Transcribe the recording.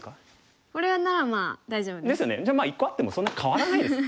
じゃあまあ１個あってもそんなに変わらないです。